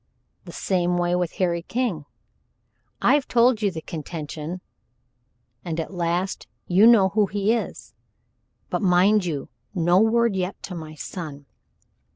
The same way with Harry King. I've told you the contention and at last you know who he is but mind you, no word yet to my son.